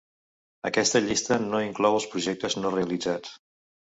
Aquesta llista no inclou els projectes no realitzats.